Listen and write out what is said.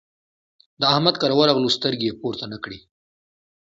د احمد کره ورغلو؛ سترګې يې پورته نه کړې.